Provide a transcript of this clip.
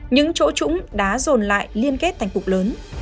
những chỗ trũng đá rồn lại liên kết thành cục lớn